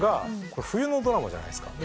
これ冬のドラマじゃないですか。